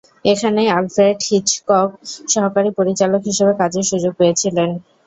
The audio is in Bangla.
এখানেই অ্যালফ্রেড হিচকক সহকারী পরিচালক হিসেবে কাজের সুযোগ পেয়েছিলেন।